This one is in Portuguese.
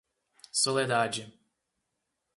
Soledade